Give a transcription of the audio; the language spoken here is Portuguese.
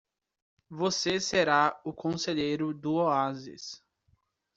Você será o conselheiro do oásis.